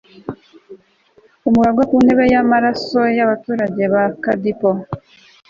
umuragwa ku ntebe y'amasaro y'abaturage ba kadipo